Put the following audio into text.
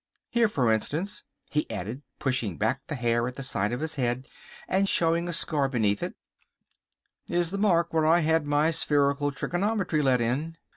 Here, for instance," he added, pushing back the hair at the side of his head and showing a scar beneath it, "is the mark where I had my spherical trigonometry let in.